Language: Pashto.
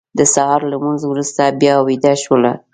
د سهار لمونځ وروسته بیا ویده شولو.